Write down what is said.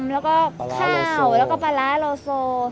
แล้วก็ข้าวแล้วก็ปลาร้าโลโซ